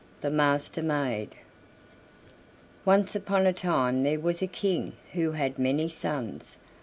THE MASTER MAID Once upon a time there was a king who had many sons.